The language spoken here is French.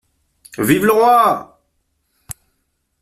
Vive le Roi!